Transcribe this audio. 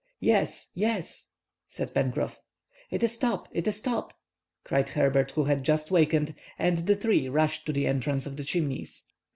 "Yes—yes!" said Pencroff. "It is Top! It is Top!" cried Herbert, who had just wakened, and the three rushed to the entrance of the Chimneys.